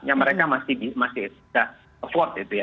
yang mereka masih bisa afford itu ya